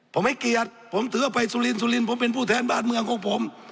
ผมไม่เกียจผมถือไปสุรินทร์สุรินทร์ผมเป็นผู้แทนบ้านเมืองของผม